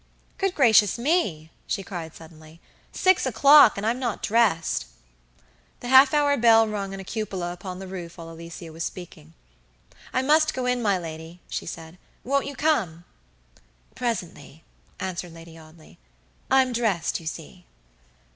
"Good gracious me!" she cried, suddenly"six o'clock, and I'm not dressed." The half hour bell rung in a cupola upon the roof while Alicia was speaking. "I must go in, my lady," she said. "Won't you come?" "Presently," answered Lady Audley. "I'm dressed, you see."